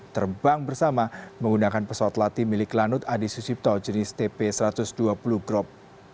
terbang bersama menggunakan pesawat latih milik lanut adi susipto jenis tp satu ratus dua puluh grop